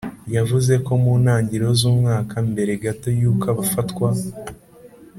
Yavuze ko mu ntangiriro z’umwaka, mbere gato y’uko afatwa